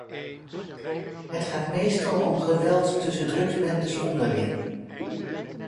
Het gaat meestal om geweld tussen drugsbendes onderling.